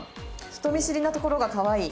人見知りなところがかわいい」。